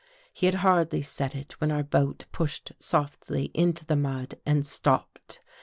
He had hardly said it, when our boat pushed softly into the mud and stopped.